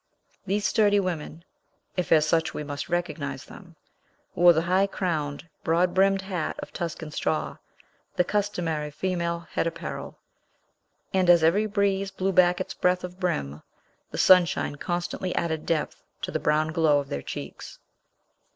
These sturdy women (if as such we must recognize them) wore the high crowned, broad brimmed hat of Tuscan straw, the customary female head apparel; and, as every breeze blew back its breadth of brim, the sunshine constantly added depth to the brown glow of their cheeks.